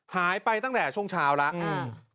หายไปตั้งแต่ช่วงเช้าแล้ว